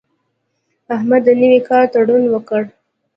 احمد د نوي کار تړون وکړ.